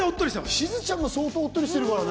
しずちゃんも相当おっとりしてるからね。